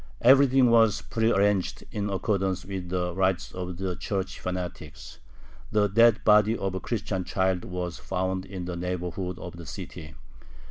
Everything was pre arranged in accordance with the "rites" of the Church fanatics. The dead body of a Christian child was found in the neighborhood of the city.